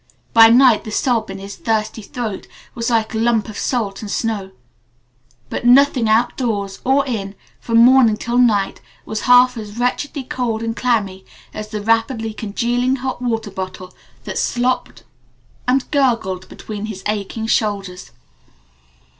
By night the sob in his thirsty throat was like a lump of salt and snow. But nothing outdoors or in, from morning till night, was half as wretchedly cold and clammy as the rapidly congealing hot water bottle that slopped and gurgled between his aching shoulders.